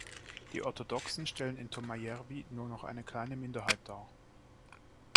Die Orthodoxen stellen in Tohmajärvi nur noch eine kleine Minderheit dar.